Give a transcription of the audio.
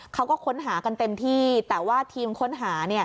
เขาก็ค้นหากันเต็มที่แต่ว่าทีมค้นหาเนี่ย